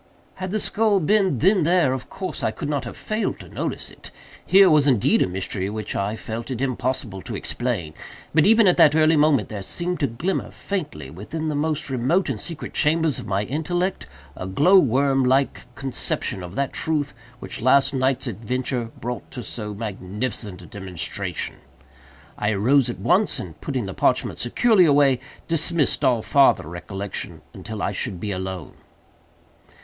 Had the skull been then there, of course I could not have failed to notice it. Here was indeed a mystery which I felt it impossible to explain; but, even at that early moment, there seemed to glimmer, faintly, within the most remote and secret chambers of my intellect, a glow worm like conception of that truth which last night's adventure brought to so magnificent a demonstration. I arose at once, and putting the parchment securely away, dismissed all farther reflection until I should be alone.